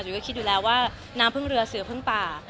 จุ๋ยก็คิดอยู่แล้วว่าน้ำเพิ่งเรือสื่อเพิ่งป่า